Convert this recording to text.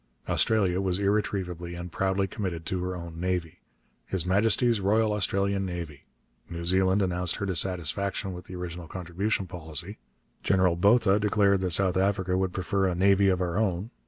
Australia was irretrievably and proudly committed to her own navy 'His Majesty's Royal Australian Navy'; New Zealand announced her dissatisfaction with the original contribution policy; General Botha declared that South Africa would prefer 'a navy of our own.'